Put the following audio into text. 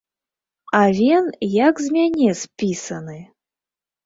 Авен як з мяне спісаны!